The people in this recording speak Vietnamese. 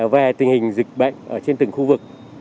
về tình hình dịch bệnh trên từng khu vực